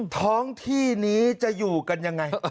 ท้องที่นี้จะอยู่กันยังไง